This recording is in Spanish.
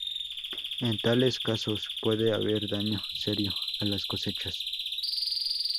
En tales casos puede haber daño serio a las cosechas.